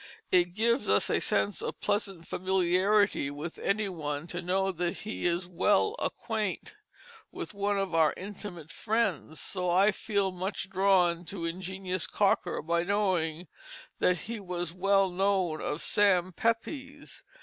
It gives us a sense of pleasant familiarity with any one to know that he is "well acquaint" with one of our intimate friends, so I feel much drawn to ingenious Cocker by knowing that he was well known of Sam Pepys.